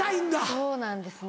そうなんですね。